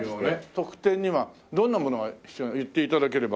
特典にはどんなものが必要言って頂ければ。